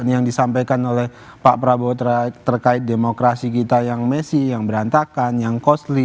yang disampaikan oleh pak prabowo terkait demokrasi kita yang messi yang berantakan yang costly